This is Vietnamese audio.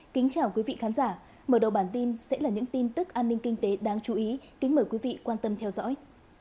kính chào quý vị khán giả mở đầu bản tin sẽ là những tin tức an ninh kinh tế đáng chú ý kính mời quý vị quan tâm theo dõi